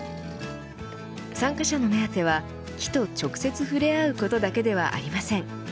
参加者の目当ては、木と直接触れ合うことだけではありません。